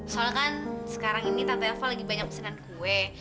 soalnya kan sekarang ini tante eva lagi banyak pesanan kue